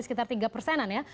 untuk pertumbuhan ekonomi dunia